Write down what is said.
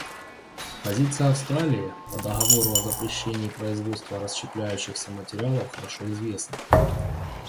Позиция Австралии по договору о запрещении производства расщепляющихся материалов хорошо известна.